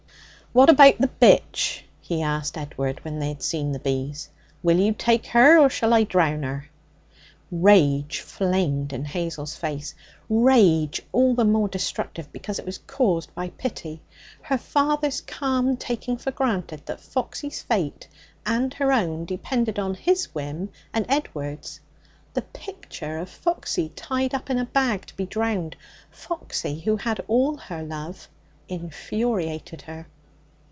'What about the bitch?' he asked Edward when they had seen the bees. 'Will you take her, or shall I drown her?' Rage flamed in Hazel's face rage all the more destructive because it was caused by pity. Her father's calm taking for granted that Foxy's fate (and her own) depended on his whim and Edward's, the picture of Foxy tied up in a bag to be drowned Foxy, who had all her love infuriated her.